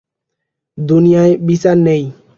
দুনিয়ায় বিচার নেই।